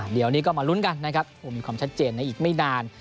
เดี๋ยวนี้ก็มาลุ้นกันนะครับคงมีความชัดเจนในอีกไม่นาน